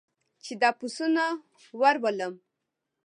چې دا پسونه ور ولم.